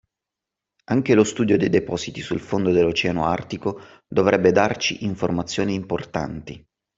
Anche lo studio dei depositi sul fondo dell’Oceano Artico dovrebbe darci informazioni importanti